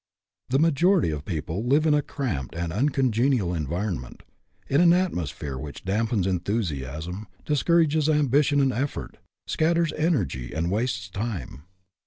The majority of people live in a cramped and uncongenial environment; in an atmosphere which dampens enthusiasm, discourages ambi tion and effort, scatters energy, and wastes time.